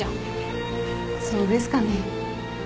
そうですかね。